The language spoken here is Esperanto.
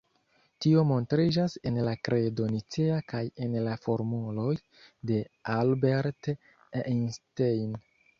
Tio montriĝas en la Kredo Nicea kaj en la formuloj de Albert Einstein.